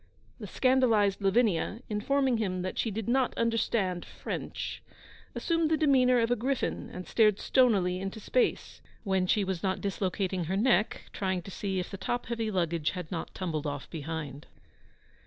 The scandalised Lavinia, informing him that she did not understand French, assumed the demeanour of a griffin, and glared stonily into space, when she was not dislocating her neck trying to see if the top heavy luggage had not tumbled off behind.